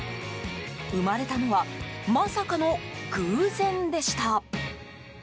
生まれたのはまさかの偶然でした。